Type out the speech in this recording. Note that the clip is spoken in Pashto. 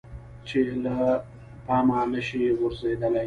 چې له پامه نشي غورځیدلی.